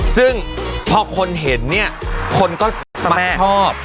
ซึ่งพอคนเห็นเนี่ยคนก็ชอบ